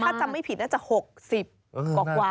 ถ้าจำไม่ผิดน่ามันจะ๖๐กว่ากว่า